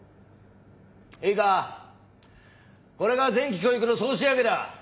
いいかこれが前期教育の総仕上げだ！